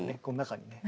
この中に。